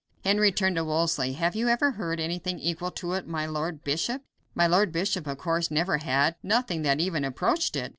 Henry turned to Wolsey: "Have you ever heard anything equal to it, my Lord Bishop?" My Lord Bishop, of course, never had; nothing that even approached it.